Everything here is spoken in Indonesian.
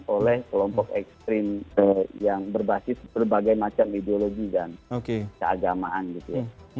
oleh kelompok ekstrim yang berbasis berbagai macam ideologi dan keagamaan gitu ya